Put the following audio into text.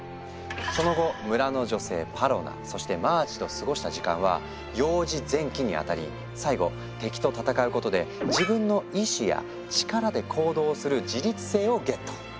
その後村の女性パロナそしてマーチと過ごした時間は「幼児前期」に当たり最後敵と戦うことで自分の意志や力で行動する「自律性」をゲット！